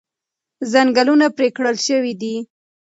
ځنګلونه پرې کړل شوي دي.